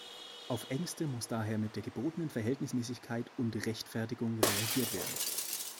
Auf Ängste muss daher mit der gebotenen Verhältnismäßigkeit und Rechtfertigung reagiert werden.